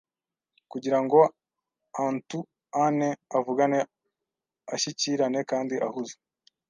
Kugira ngo antu ane avugane ashyikirane kandi ahuze